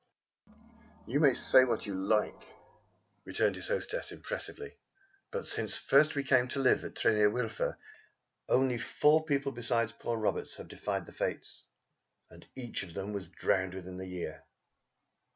"You may say what you like," returned his hostess impressively, "but since first we came to live at Tryn yr Wylfa only four people besides poor Roberts have defied the Fates, and each of them was drowned within the year.